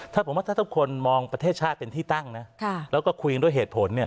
ถ้าผมว่าถ้าทุกคนมองประเทศชาติเป็นที่ตั้งนะแล้วก็คุยกันด้วยเหตุผลเนี่ย